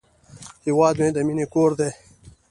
هیواد مې د مینې کور دی